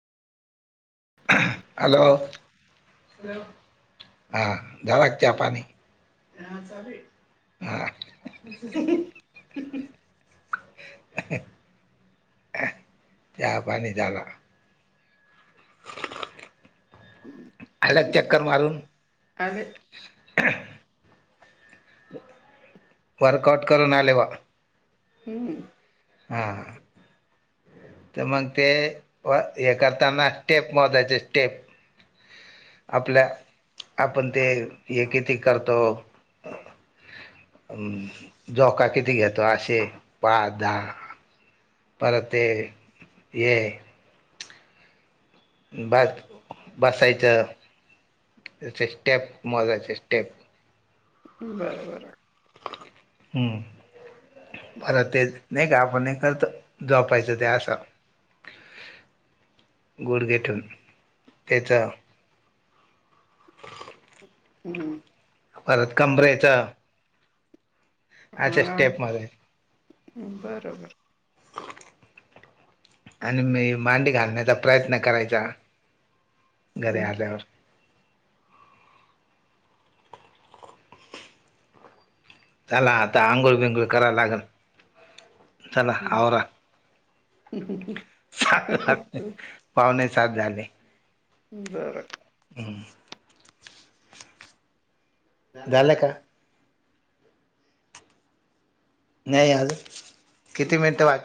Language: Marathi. हॅलो! हॅलो! हा झाला का चहा पाणी? चहा चालूय, हा. [unintelligible] चहा पाणी झाला. आल्या का चक्कर मारून? आले. वर्कआउट करून आले बा, हम्म, हा. तर मग ते, हे करताना स्टेप मोजायचे स्टेप. आपल्या आपण ते हे किती करतो. झोका किती घेतो असे पाच, दहा परत ते हे हाय. बात बसायचं, ते असे स्टेप मोजायचे स्टेप. बरबर, हम्म. परत ते, नाही का आपण हे करतो झोपायचं ते असं गुडघे ठेवून त्याचा परत कंबरेचं. [unintelligible] बरबर. आणि मी मांडी घालण्याचा प्रयत्न करायचा घरी आल्यावर. चला आता आंघोळ बिंगुळी करा लागण, चला आवरा. सात [unintelligible] पावणे सात झाले. बरं. हम्म झालं का? नाही अजून, किती मिनटं बाकी